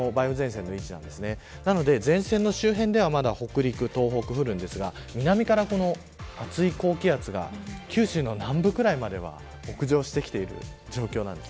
前線の周辺では北陸、東北降りますが南から熱い高気圧が九州の南部くらいまでは北上してきている状況です。